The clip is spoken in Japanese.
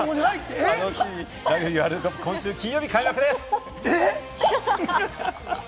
お楽しみにラグビーワールドカップは今週金曜日、開幕です。